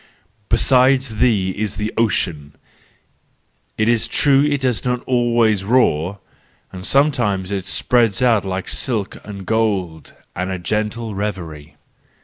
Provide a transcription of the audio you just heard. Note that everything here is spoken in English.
Beside thee is the ocean; it is true it does not always roar, and sometimes it spreads out like silk and gold and a gentle reverie.